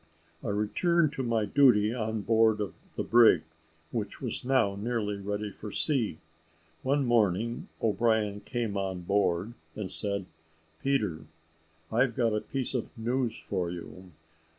I returned to my duty on board of the brig, which was now nearly ready for sea. One morning O'Brien came on board and said, "Peter, I've a piece of news for you.